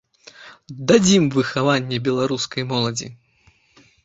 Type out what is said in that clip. Дадзім выхаванне беларускай моладзі.